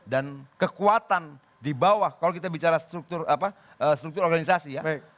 dan kekuatan di bawah kalau kita bicara struktur organisasi ya